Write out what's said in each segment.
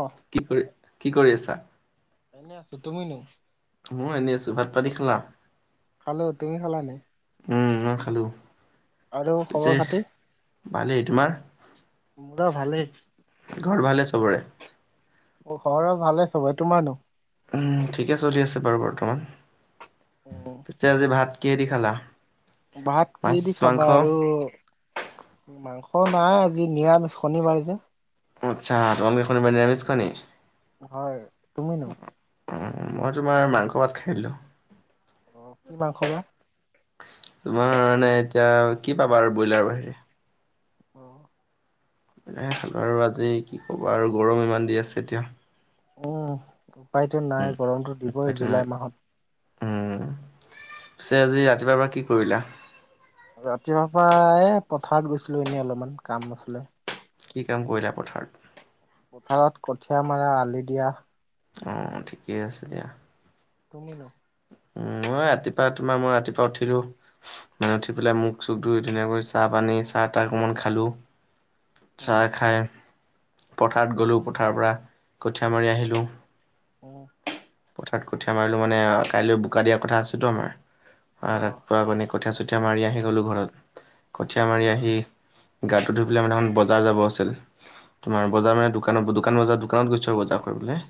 অ। কি কৰি কি কৰি আছা। এনেই আছো। তুমিনো? মই এনেই আছোঁ। ভাত পাতি খালা? খালো। তুমি খালা নাই? উম মই খালো, আৰু খবৰ পিছে খাতি ভালেই। তোমাৰ? মোৰ দা ভালেই। ঘৰ ভালে চবৰে। অ শৰৰ ভালে চবেই। তোমাৰনো? উম ঠিকে চলি আছে বাৰু বৰ্তমান। উম পিছে আজি ভাত কেহেইদি খালা? ভাত কি মাছ, দি মাংস? খাবা আৰু। মাংস নাই আজি নিৰামিষ শনিবাৰে যে। আচ্ছা, তোমালোকে শনিবাৰে নেৰামিজ খোৱা নি? হয়। তুমিনো? অ মই তোমাৰ মাংস ভাত খাই দিলোঁ। অ কি মাংস বা? তোমাৰ মানে এতিয়া কি পাবা আৰু ব্ৰইলাৰৰ বাহিৰে। অ। এনে খালো আৰু আজি কি ক'ব আৰু গৰম ইমান দি আছে এতিয়া। উম উপায়টো উম নাই গৰমটো উপায়তো দিবই নাই। জুলাই মাহত। উম পিছে আজি ৰাতিপুৱাৰ পৰা কি কৰিলা? ৰাতিপুৱাৰ পৰা এই পথাৰত গৈছিলো এনেই অলপমান কাম আছিলে। কি কাম কৰিলা পথাৰত? পথাৰত কঠিয়া মাৰা, আলি দিয়া। অ ঠিকে আছে দিয়া। তুমিনো? উম মই ৰাতিপুৱা তোমাৰ মই ৰাতিপুৱা উঠিলো মানে উঠি পেলাই মুখ চুখ ধুই ধুনীয়াকৈ চাহ পানী চাহ তাহ অকমান খালোঁ। উম চাহ খাই পথাৰত গলো পথাৰৰ পৰা কঠীয়া মাৰি আহিলোঁ। উহ পথাৰত কঠিয়া মাৰিলো মানে কাইলৈ বোকা দিয়া কথা আছেতো আমাৰ আহ অ তাত পোৰা পানীক কঠীয়া চঠীয়া মাৰি আহি গ'লোঁ ঘৰত কঠীয়াা মাৰি উম আহি গাটো ধুই পেলাই মানে এখন বজাৰ যাব আছিল। তোমাৰ বজাৰ মানে দোকানত দোকান বজাৰ দোকানত গৈছো আৰু বজাৰ কৰিবলে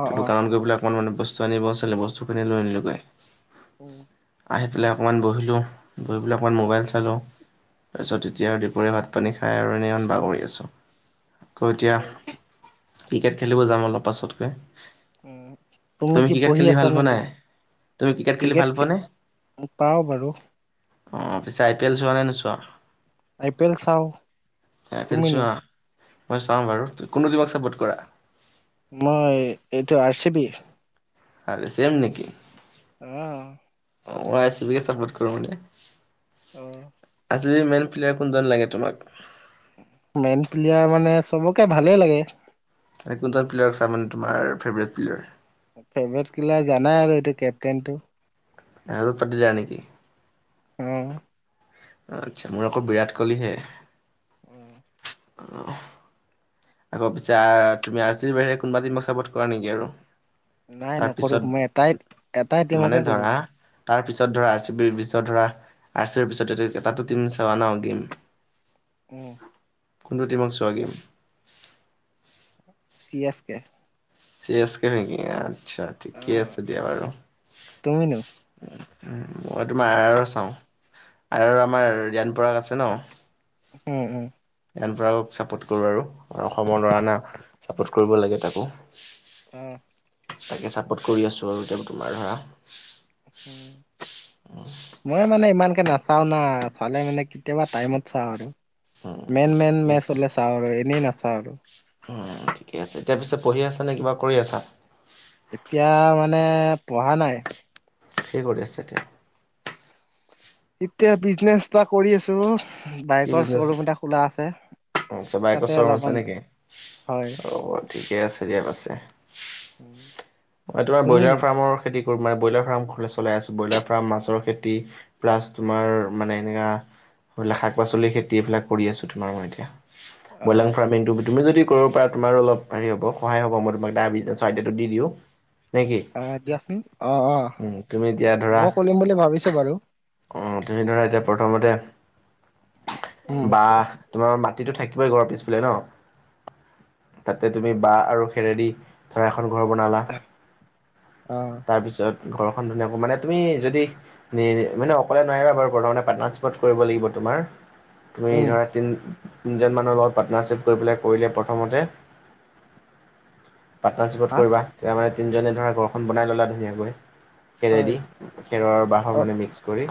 অ টো অ দোকানত গৈ পেলাই অকণমান মানে বস্তু আনিব আছিলে বস্তু খিনি লৈ আনিলোগৈ। উ আহি পেলাই অকণমান বহিলোঁ, বহি পেলাই অকণমান মোবাইল চালোঁ। তাৰপিছত তেতিয়া আৰু দুপৰীয়া ভাত পানী খাই আৰু এনেই ইমান বাগৰি আছোঁ। কৌ তিয়া অ ক্ৰিকেট খেলিব যাম অলপ পাছতকে উ তুমি কি পঢ়ি আছা ন- নে কি নাই? তুমি খেলি ক্ৰিকেট ভাল পোৱানে? পাওঁ বাৰু। অ পিছে আই পি এল চোৱা নে নোচোৱা? আই পি এল চাওঁ আই পি এল তুমিনো? চোৱা মই চাওঁ বাৰু। কোনতো টিমক চাপৰ্ট কৰা? মই এইটো আৰ চি বি। আৰে চেম নেকি। অহ। অ আই চি বি কে চাপৰ্ট কৰো মানে। অ। R C B main player কোনজন লাগে তোমাক? মেইন প্লেয়াৰ মানে চবকে ভালে লাগে। কোনজন প্লেয়াৰ আছে মানে তোমাৰ ফেবেৰেট প্লেয়াৰ? ফেভেৰেট কিলাৰ জানাই আৰু এইটো কেপ্টেইনটো। ৰাজতপাটিদাৰ নেকি? অহ। আচ্ছা মোৰ আকৌ বিৰাট কোহলি হে। [inaudible] [unintelligible] আকৌ পিছে আৰ তুমি আৰ চি বি বাহিৰে কোনোবা টিমক চাপৰ্ট কৰা নেকি আৰু? নাই নকৰো মই এটাই তাৰপিছত এটাই মানে টিমকে কৰো ধৰা তাৰ পিছত ধৰা আৰ চি বি ৰ পিছত ধৰা আৰ চি বি পিছত এটাটো টিম চোৱা ন গেম। [inaudible] উম। কোনটো টিমক চোৱাগে? C S K. C S K নেকি আচ্ছা ঠিকে অ', আছে দিয়া বাৰু। তুমিনো মই তোমাৰ আৰ আৰ চাওঁ আৰ আৰ আমাৰ ৰিয়ান পৰাগ আছে ন। উম উম। ৰিয়ান পৰাগ চাপৰ্ট কৰোঁ আৰু অসমৰ ল'ৰা না চাপৰ্ট কৰিব লাগে তাকো। অহ। তাকে ছাপৰ্ট কৰি আছোঁ আৰু এতি তোমাৰ ধৰা। উম। মই মানে ইমানকে নাচাও ন চালে মানে কেতিয়াবা টাইমত চাওঁ আৰু। মেন উম, মেন ঠিকে মেচ আছে হলে চাওঁ আৰু এনেই নাচাওঁ আৰু। উম ঠিকে আছে এতিয়া পিছে পঢ়ি আছা নে কিবা কৰি আছা। এতিয়া মানে পঢ়া নাই। কি কৰি আছা এতিয়া? এতিয়া বিজনেছ এটা কৰি আছো ও কি বাইকৰ বিজনেছ শ্ব'ৰুম এটা খোলা আছে। আচ্ছা বাইকৰ তাতে চ ৰুম আছে অলপমান নেকি? হয় অ'ব ঠিকে আছে দিয়া পছে। ম তোমাৰ ব্ৰইলাৰ তুমিনো ফাৰ্মৰ খেতি কৰোঁ তোমাৰ ব্ৰইলাৰ ফাৰ্ম ঘৰলৈ চলাই আছোঁ। ব্ৰইলাৰ ফাৰ্ম মাছৰ খেতি প্লাছ তোমাৰ মানে এনেকা শাক পাচলিৰ খেতি এইবিলাক কৰি আছো তোমাৰ মই এতিয়া। অ ব্ৰইলাং ফাৰ্মিংটো তুমি যদি কৰিব পৰা তোমাৰ অলপ হেৰি হব সহায় হ'ব মই তোমাক [unintelligible] দি দিওঁ নেকি অ দিয়াচোন অ অ উম তুমি এতিয়া মই কলিম বুলি ভাবিছো বাৰু। অ তুমি ধৰা এতিয়া প্ৰথমতে উম বা তোমাৰ মাটিতো থাকিবই ঘৰ পিছফালে ন তাতে তুমি বাঁহ আৰু খেৰেদি ধৰা এখন ঘৰ বনালা অ তাৰপিছত ঘৰখন ধুনীয়াকে মানে তুমি যদি নি মানে অকলে নোৱাৰিবা বাৰু প্ৰথমতে পাটনা চিস্পট কৰিব লাগিব তোমাৰ তুমি উম ধৰা তিন তিনজন মানুহৰ লগত পাৰ্টনাৰশ্বিপ কৰি পেলাই কৰিলে প্ৰথমতে পাৰ্টনাৰশ্বিপত হা কৰিবা? তেওঁ মানে তিনিজনে ধৰা ঘৰখন বনাই ল'লা ধুনীয়াকৈ- হয় খেৰেদি খেৰৰ বাহৰ অ মানে মিক্স কৰি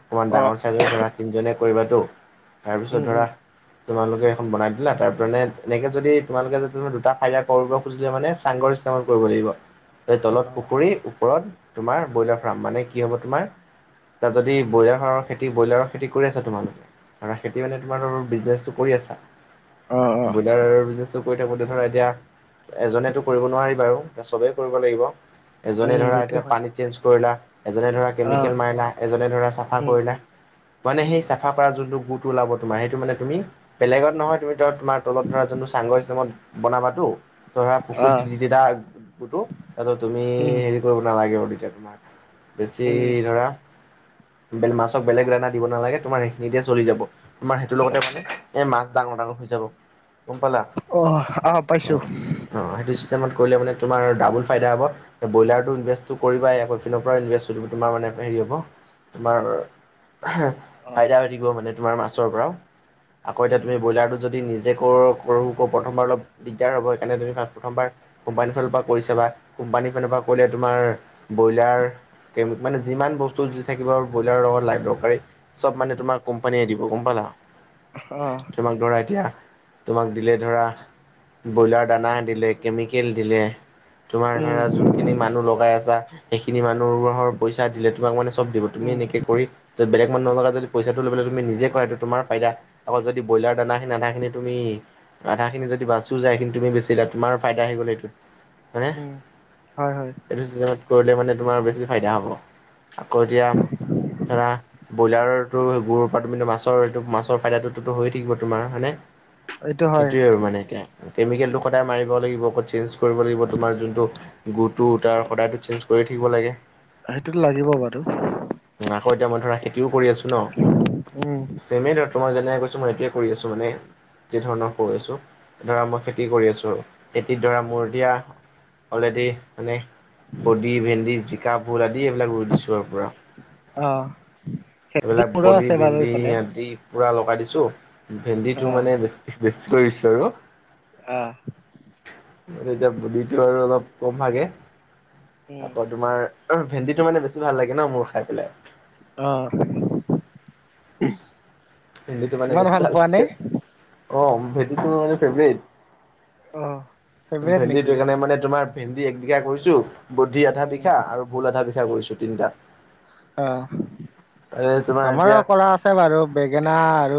অকমান অ ডাঙৰ তাৰপিছত ধৰা তিনিজনে কৰিবা টো তাৰপিছত উম ধৰা উম তোমালোকে এখন বনাই দিলা। তাৰমানে এনেকে যদি তোমালোকে যদি দুটা ফাইদা কৰিব খুজিলে মানে চাংঘৰ তা মান কৰিব লাগিব। অ তলত পুখুৰীৰ ওপৰত তোমাৰ ব্ৰইলাৰ ফাৰ্ম মানে কি হ'ব তোমাৰ তাত যদি ব্ৰইলাৰ সাৰৰ খেতি, ব্ৰইলাৰৰ খেতি কৰি আছা তোমালোকে? খেতি মানে তোমাৰ বিজনেচটো কৰি আছা। অ অ ব্ৰইলাৰ কৰি থাকো ধৰা এতিয়া এজনেতো কৰিব নোৱাৰি বাৰু, এ চবেই কৰিব লাগিব। এজনে উম ধৰা সেইটো এতিয়া হয় পানী চেঞ্জ কৰিলা, এজনে অ ধৰা মাৰিলা, এজনে ধৰা চাফা উম কৰিলা। উম মানে উম সেই চা চাফা কৰা যোন টো গু তো ওলাব তোমাৰ সেইটো মানে তুমি বেলেগত নহয় তুমি ত তোমাৰ তলত ধৰা যোনটো চাংঘৰ চিচতেমত বনাবা টো ধৰা অ পুখুৰীত দিদিলা গুতো তাৰপাছত তুমি উম হেৰি কৰিব নালাগে আৰু তেতিয়া তোমাক বেছি, উম ধৰা বেল মাছক বেলেগ দানা দিব নালাগে, তোমাৰ এইখিনিতে চলি যাব। তোমাৰ সেইটোৰ লগতে মানে, এ মাছ ডাঙৰ ডাঙৰ হৈ যাব। গম পালা? অ আহ পাইছোঁ। অঁ সেইটো চিষ্টেমত কৰিলে মানে তোমাৰ ডাবুল ফাইদা হ'ব। ব্ৰইলাৰটো ইনভেষ্টটো কৰিবাই আকৌ ইফিনৰ পৰা ইনভেষ্ট কৰিব তোমাৰ মানে। হেৰি হ'ব, তোমাৰ অ ফাইদা হৈ থাকিব, মানে। তোমাৰ মাছৰ পৰা, আকৌ এতিয়া উম তুমি উম ব্ৰইলাৰটো যদি নিজে কৰ সৰু‌ আকৌ প্ৰথমবাৰ অলপ দিগদাৰ হ'ব, সেইকাৰণে তুমি প্ৰথমবাৰ কোম্পানী ফালৰ পৰা কৈছাবা। কোম্পানী ফালৰ পৰা কৰিলে তোমাৰ ব্ৰইলাৰ মানে। যিমান বস্তু যদি যি থাকিব, আৰু ব্ৰইলাৰৰ লগত লগত দৰকাৰী চব মানে তোমাৰ কোম্পানীয়ে দিব গম পালা? অ। তোমাক ধৰা এতিয়া, তোমাক দিলে ধৰা। ব্ৰইলাৰ দানা দিলে কেমিকেল দিলে। তোমাৰ উম ধৰা যোনখিনি মানুহ লগাই আছা সেইখিনি মানুহৰ পইচা দিলে তোমাক মানে চব দিব। তুমি উম এনেকে কৰি য'ত বেলেগ মানুহ লগা যদি পইচাটো লৈবলৈ তুমি নিজে কৰা সেই তোমাৰ ফাইদা আৰু যদি ব্ৰইলাৰ দানা খিনি আধা খিনি তুমি আধাখিনি যদি বাচিও যায়, সেইখিনি তুমি বেছিলা তোমাৰ ফাইদা আহি গল সেইটো। উম হয় হয়। এইটো চিষ্টেমত কৰিলে মানে তোমাৰ বেছি ফাইদা হ'ব। আকৌ এতিয়া ধৰা ব্ৰইলাৰো গুৰৰ পৰা তোমাৰ মাছটো মাছৰ ফাইদা টোত হৈয়ে থাকিব তোমাৰ হয় নে এইটো হয় সেইটোয়ে আৰু মানে এতিয়া কেমিকেলটো সদায় মাৰিব লাগিব আক চেঞ্জ কৰিব লাগিব তোমাৰ যোনটো গুটো তাৰ সদায়তো চেঞ্জ কৰিয়ে থাকিব লাগে। অ, সেতোত লাগিব বাৰু। আকৌ এতিয়া মই ধৰা খেতিও কৰি আছো ন'। উম, চেমে ধৰা মই যেনেক কৈছো মই সেইটোয়ে কৰি আছো মানে যি ধৰণৰ কৈ আছোঁ। ধৰা মই খেতি কৰি আছো। খেতিত ধৰা মোৰ এতিয়া অলৰেদি মানে বডি, ভেন্দি, জিকা, ভোল আদি এইবিলাক ৰুই দিছো আৰু পোৰা। অ এইবিলাক মোৰো বদি আছে বাৰু ভেন্দি এইফালে। আদি পুৰা লগাই দিছো অ ভেন্দিটো মানে বেছ -বেছি কৰি দিছোঁ আৰু ন? আহ। এতিয়া বুডিটো আৰু অলপ কম ভাগে আকৌ তোমাৰ ভেন্দিটো মানে বেছি ভাল লাগে ন, মোৰ খাই পেলাই অ', ভেন্দীটো মানে ইমান বেছি ভাল পোৱা নে? লাগে অ, ভেন্দীটো মানে ফেভৰেট। অ', ফেভৰেট ভেন্দিটো নেকি? সেইকাৰণে মানে তোমাৰ ভেন্দি এক বিঘা কৰিছোঁ বদ্ধি আধা বিঘা অ আৰু ভুল আধা বিঘা কৰিছোঁ তিনিটাত। অ, তোমাৰ আমাৰ এতিয়া কৰা আছে। আছে বাৰু বেঙেনা আৰু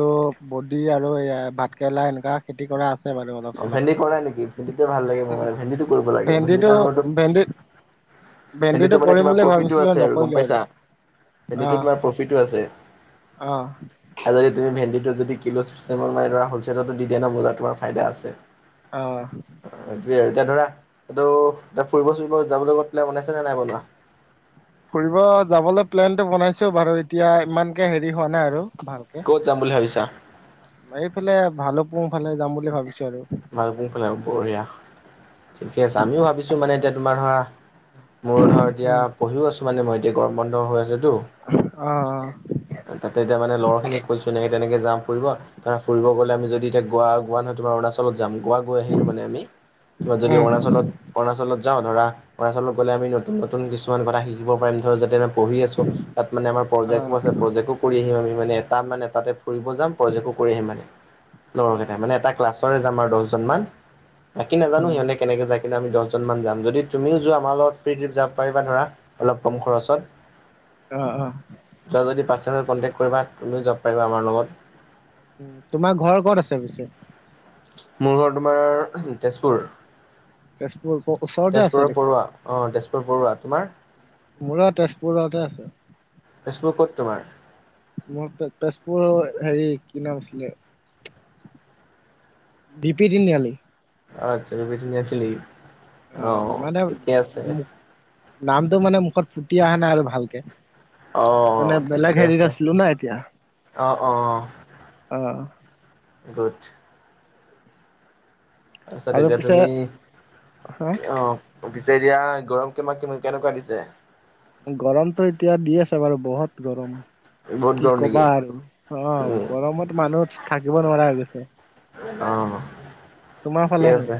বডি আৰু এই ভাতকেৰেলা এনকা খেতি কৰা আছে বাৰু অলপ চলপ ভেন্দি কৰা নেকি ভেন্দিটোৱে ভাল লাগে মোৰ অ, মানে ভেন্দিটো ভেন্দিটো ভেন্দিত ভেন্দিতো মানে তোমাৰ প্ৰফিটো আছে আৰু গম পাইছা? ভেণ্ডটো আহ তোমাৰ প্ৰফিটো আছে। আহ আৰু যদি তুমি ভেন্দিটো যদি কিলো ছিষ্টেমত মানে ধৰা হলচেলতো দি দিয়া ন'বজাৰত তোমাৰ ফাইদা আছে। অ', অ, এইটোৱে আৰু এতিয়া ধৰা এইটো এতিয়া ফুৰিব চুৰিব যাবলৈ কবাত প্লে বনাইছে নে নাই বনোৱা? ফুৰিব যাবলৈ প্লেন টো বনাইছোঁ বাৰু এতিয়া ইমানকে হেৰি হোৱা নাই আৰু ভাল। ক'ত যাম বুলি ভাবিছা? এইফালে ভালোক পুং ফালে যাম বুলি ভাবিছো আৰু। ভালুক পুং ফালে অহ, বঢ়িয়া ঠিকে আছে আমিও ভাবিছোঁ মানে এতিয়া তোমাৰ ধৰা মোৰ ধৰ এতিয়া উম পঢ়িও আছোঁ মানে মই এতিয়া গৰম বন্ধ হৈ আছেতো অ', অ', তাতে এতিয়া মানে লগৰখিনিক কৈছোঁ নে এনেকে যাম ফুৰিব। কা ফুৰিব গলে আমি যদি এতিয়া গোৱা- গোৱা নহয় তোমাৰ অৰুণাচল চলত যাম গোৱা গৈ আহিলোঁ মানে আমি কিবা যদি উম অৰুণাচলত অৰুণাচত যাওঁ ধৰা অৰুণালত গ'লে আমি নতুন, -নতুন কিছুমান কথা শিকিব পাৰিম ধৰ যাতে পঢ়ি আছো তাত মানে আমাৰ প্ৰজেকো অ', আছে প্ৰজেকো কৰি আহিম আমি মানে তাত তাতে ফুৰিব যাম প্ৰজেকো কৰি আহিম মানে লগৰ অ', কেইটাই মানে এটা ক্লাছ [unintelligible] যাম দছজন মান বাকী নাজানো উম সিহঁতে কেনেকে যায় কিন্তু আমি দছজনমান যদি তুমিও যোৱা আমাৰ লগত ফ্ৰী ট্ৰিপ যাব পাৰিবা ধৰা। অলপ কম খৰচত। অ', অ', যোৱা যদি [unintelligible] কণ্টেক্ট কৰিবা তুমিও যাব পাৰিবা আমাৰ লগত। উম, তোমাৰ ঘৰ ক'ত আছে পিছে? মোৰ ঘৰ তোমাৰ তেজপুৰ তেজপুৰ ওচৰতে আছে তেজপুৰৰ দেখোন পৰুৱা। অ, তেজপুৰ বৰুৱা তোমাৰ? মোৰ তেজপুৰতে আছে। তেজপুৰৰ ক'ত তোমাৰ? মোৰ তেজ - তেজপুৰৰ হেৰি কি নাম আছিলে বি পি তিনিয়াআলি। আচ্ছা [unintelligible] অ মানে ঠিকে আছে নামটো মানে মুখত ফুটি অহা নাই আৰু ভালকে অ মানে বেলেগ ঠিকে হেৰিত আছে আছিলো না এতিয়া। অ অ অ গুদ। আচ্ছা আৰু তেতিয়া পিছে তুমি হা অ। পিছে এতিয়া গৰম কিমা কিমি কেনেকুৱা দিছে? গৰমতো এতিয়া দি আছে বাৰু বহত গৰম। বহুত কি গৰম কবা নেকি আৰু অ উম গৰমত মানুহ থাকিব নোৱাৰা হৈ গৈছে অ তোমাৰ ঠিকে ফালেনো আছে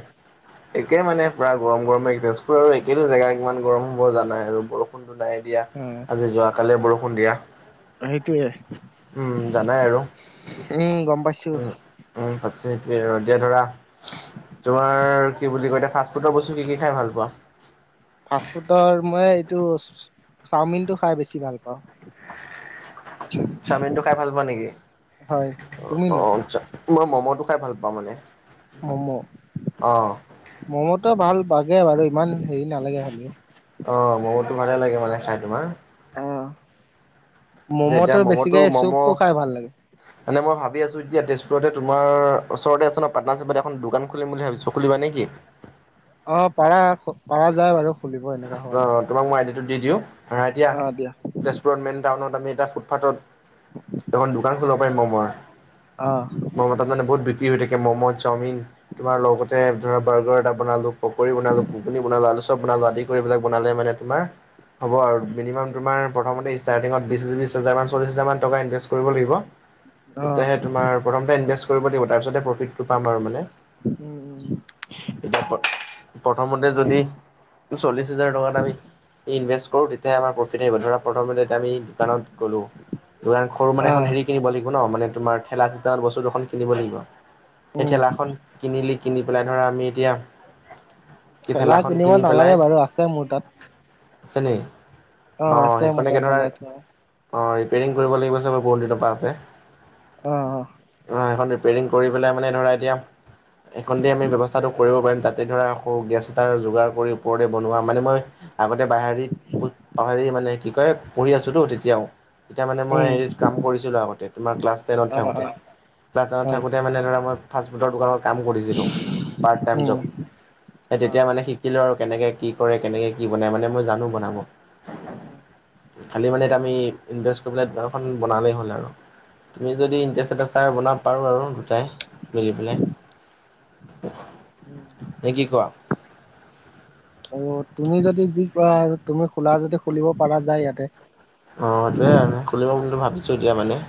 একে মানে পুৰা গৰম গৰমে তেজপুৰ আৰু একেটো জেগা ইমান গৰম হ'ব জানাই আৰু বৰষুণ টো নাই দিয়া উম আজি যোৱাকালিয়ে বৰষুণ দিয়া সেটোয়ে উম জানাই আৰু গম পাইছো উম উম পাতছে সেটোৱে আৰু দিয়া ধৰা তোমাৰ কি বুলি কয় এতিয়া ফাষ্ট ফুডৰ বস্তু কি কি খাই ভাল পোৱা ফাষ্ট ফুডৰ মই এইটো চাওমিনটো খাই বেছি ভাল পাওঁ চাওমিনটো খাই ভাল পোৱা নেকি হয় অ তুমিনো মই মমটো খাই ভাল পাওঁ মানে মম অ। মমটো ভাল বাগে বাৰু ইমান হেৰি নালাগে হ'লেও অ মমতো ভালে লাগে মানে খাই তোমাৰ। অ যে এতিয়া মমটো বেছিকে মম চুপটো খাই ভাল লাগে এনে মই ভাবি আছো এতিয়া তেজপুৰতে তোমাৰ ওচৰতে আছে ন পাটনাৰচিপত এখন দোকান খুলিম বুলি ভাবিছো। খুলিবা নে কি। অ পাৰা খ পাৰা যায় বাৰু খুলিব এনেকা হল। অ' তোমাক মই আইডিটো দি দিও এতিয়া দিয়া তেজপুৰত মেইন টাউনত আমি এটা ফুটপাথত এখন দোকান খোলিব পাৰিম মমৰ অ মমৰ তাত মানে বহুত বি ক্ৰী হয় থাকে মম চাওমিন তোমাৰ লগতে ধৰা বাৰ্গাৰ এটা বনালো। পকৰি বনালো ঘুগুনি বনালো আলু চব বনালো আদি কৰি এইবিলাক বনালে মানে তোমাৰ হ'ব আৰু মিনিমান তোমাৰ প্ৰথমতে ষ্টাৰ্টিঙত বিশ বিশ হাজাৰমান চল্লিছ হাজাৰ মান টকা ইনভেষ্ট কৰিব লাগিব অ তেতিয়া হে তোমাৰ প্ৰথমতে ইনভেষ্ট কৰিব লাগিব তাৰপিছত হে প্ৰতিক পাম আৰু মানে উম উম এতিয়া প্ৰথমতে যদি চল্লিশ হাজাৰ টকাত আমি ইনভেষ্ট কৰো তেতিয়া আমাৰ প্ৰফিট আহিব ধৰা প্ৰথমতে এতিয়া আমি দোকানত গ'লো দোকান সৰু মানে অ এখন হেৰি কিনিব লাগিব ন মানে তোমাৰ ঠেলা চিনা বস্তু দুখন কিনিব লাগিব সেই উম ঠেলাখন কিনিলি কিনি পেলাই ধৰা আমি এতিয়া কি ঠেলা ঠেলাখন কিনিব কিনি নালাগে বাৰু আছে মোৰ তাত। আছে নি অ আছে মোৰ তাত সেইখনকে ধৰা বনাই থোৱা অ ৰিপেৰিং কৰিব লাগিব চাবা বহুদিনৰ পৰা আছে। অ অ সেইখন ৰিপেয়ৰিং কৰি পেলাই মানে ধৰা এতিয়া সেইখন দি আমি ব্যৱস্থাটো কৰিব পাৰিম যাতে ধৰা আকৌ গেছ এটাৰ যোগাৰ কৰি ওপৰতে বনোৱা মানে মই আগতে বাহাৰিত পুট পাহাৰি মানে কি কয় পঢ়ি আছোতো তেতিয়াও তেতিয়া মানে মই উম, হেৰিত কাম কৰিছিলো আগতে তোমাৰ ক্লাছ টেনত অ', থাকোতে। অ', ক্লাছ নাইনত থাকোতে মানে ধৰা মই ফাষ্টফুডৰ দোকানত কাম কৰিছিলো পাৰ্ট টাইম উম, জব সে অ', তেতিয়া মানে শিকিলো আৰু কেনেকে কি কৰে কেনেকে কি বনায় মানে মই জানো বনাব। খালি মানে এতিয়া আমি ইনভেষ্ট কৰিবলে দোকানখন বনালেই হ'ল আৰু তুমি যদি ইণ্টাৰেষ্টেড ছাৰ বনাব পাৰো আৰু দুটাই মেলি পেলাই উম। নে কি কোৱা? অ তুমি যদি যি কোৱা আৰু তুমি খোলা যদি খুলিব পাৰা যায় ইয়াতে অ সেইটোৱে আৰু খুলিব বুলি ভাবিছো এতিয়া মানে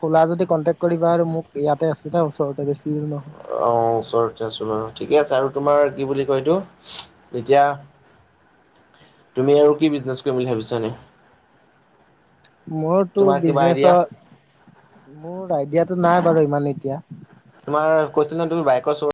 খোলা যদি কণ্টেক্ট কৰিবা আৰু মোক ইয়াতে আছে না ওচৰতে বেছি নহয় অ ওচৰতে আছো বাৰু ঠিকে আছে আৰু তোমাৰ কি বুলি কয় এইটো। এতিয়া তুমি আৰু কি বিজনেছ কৰিম বুলি ভাবিছা নে? মোৰতো বিজনেচত মোৰ আইডিয়াটো নাই বাৰু ইমান এতিয়া। তোমাৰ কৈছোঁ ন তোৰ বাইক চুৰ।